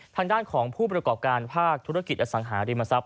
ทางด้านของผู้ประกอบการภาคธุรกิจอสังหาริมทรัพย